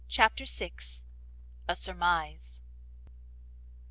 CHAPTER vi. A SURMISE.